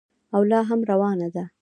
او لا هم روانه ده.